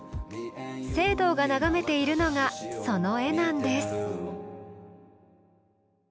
惺堂が眺めているのがその絵なんです。